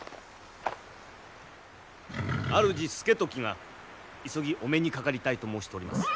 あるじ資時が急ぎお目にかかりたいと申しております。